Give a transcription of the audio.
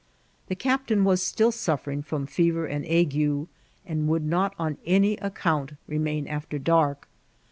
The ci^itain waa still suffering firom fever and ague, and would not on any account remain after dark.